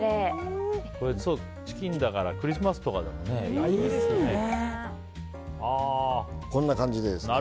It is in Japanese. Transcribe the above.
チキンだからクリスマスとかにもいいですよね。